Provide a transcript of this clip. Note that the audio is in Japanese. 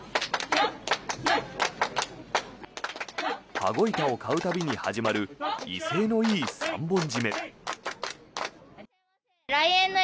羽子板を買う度に始まる威勢のいい三本締め。